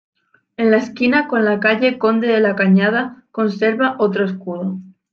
En la esquina con la calle Conde de la Cañada conserva otro escudo.